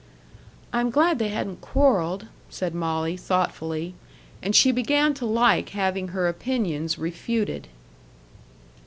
"I am glad they hadn't quarrelled," said Molly, thoughtfully. And she began to like having her opinions refuted.